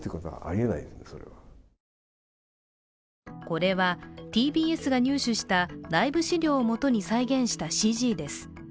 これはＴＢＳが入手した内部資料を基に再現したＣＧです。